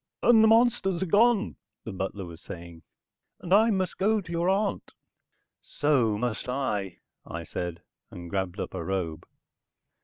"And the monsters are gone," the butler was saying. "And I must go to your aunt." "So must I," I said, and grabbed up a robe.